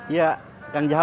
ya kang jah